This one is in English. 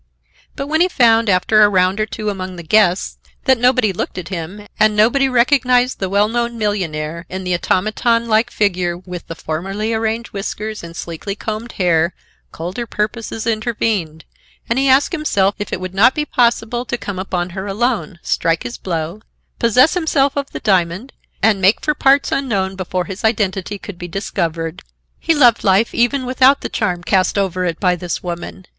But when he found, after a round or two among the guests, that nobody looked at him, and nobody recognized the well known millionaire in the automaton like figure with the formally arranged whiskers and sleekly combed hair, colder purposes intervened, and he asked himself if it would not be possible to come upon her alone, strike his blow, possess himself of the diamond, and make for parts unknown before his identity could be discovered. He loved life even without the charm cast over it by this woman.